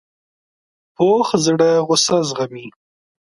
پوخ زړه غصه زغمي